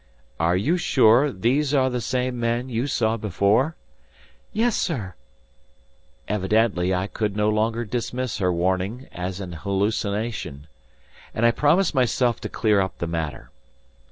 "Are you sure these are the same men you saw before?" "Yes, sir." Evidently, I could no longer dismiss her warning as a hallucination; and I promised myself to clear up the matter.